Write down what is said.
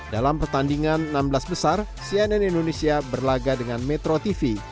dalam pertandingan enam belas besar cnn indonesia berlaga dengan metro tv